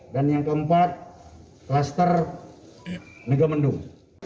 dan yang keempat kluster nega mendung